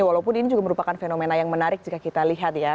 walaupun ini juga merupakan fenomena yang menarik jika kita lihat ya